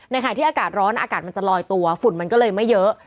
ขณะที่อากาศร้อนอากาศมันจะลอยตัวฝุ่นมันก็เลยไม่เยอะ